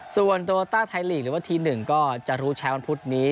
ส่วนโตต้าไทยลีกหรือว่าที๑ก็จะรู้ใช้วันพุธนี้